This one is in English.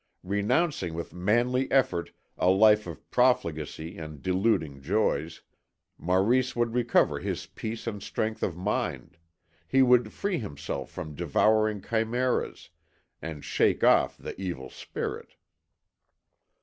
Renouncing with manly effort a life of profligacy and deluding joys, Maurice would recover his peace and strength of mind, he would free himself from devouring chimeras, and shake off the Evil Spirit.